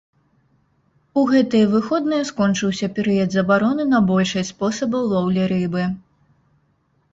У гэтыя выходныя скончыўся перыяд забароны на большасць спосабаў лоўлі рыбы.